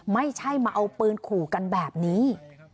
ไม่ใช่มาเอาปืนขู่กันแบบนี้